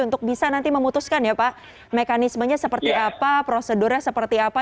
untuk bisa nanti memutuskan ya pak mekanismenya seperti apa prosedurnya seperti apa